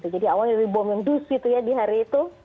jadi awalnya dari bom yang dus gitu ya di hari itu